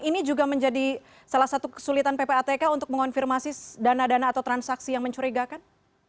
ini juga menjadi salah satu kesulitan ppatk untuk mengonfirmasi dana dana atau transaksi yang mencurigakan